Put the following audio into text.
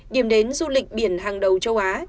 điểm đến du lịch biển hàng đầu châu á